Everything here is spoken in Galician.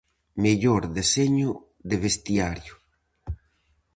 Mellor Deseño de Vestiario.